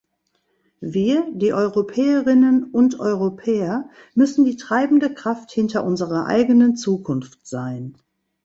Wir, die Europäerinnen und Europäer, müssen die treibende Kraft hinter unserer eigenen Zukunft sein.